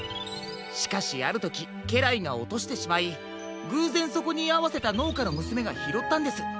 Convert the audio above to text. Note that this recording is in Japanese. しかしあるときけらいがおとしてしまいぐうぜんそこにいあわせたのうかのむすめがひろったんです。